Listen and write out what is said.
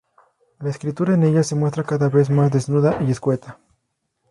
La escritura en ellas se muestra cada vez más desnuda y escueta.